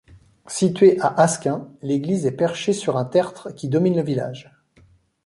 Située à Asquins, l'église est perchée sur un tertre qui domine le village.